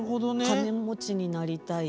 金持ちになりたい。